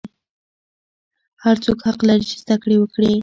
هر څوک حق لري چې زده کړې وکړي.